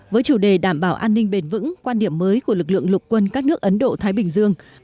với chủ đề đảm bảo an ninh bền vững quan điểm mới của lực lượng lục quân các nước ấn độ thái bình dương